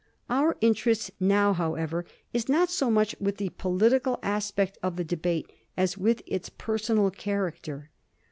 Our interest now, however, is not so much with the political aspect of the debate as with its personal character.